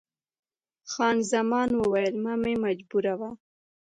خان زمان وویل، مه مې مجبوروه.